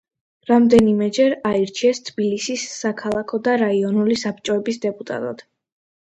რამდენიმეჯერ აირჩიეს თბილისის საქალაქო და რაიონული საბჭოების დეპუტატად.